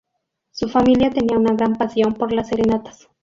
Su familia tenía una gran pasión por las serenatas.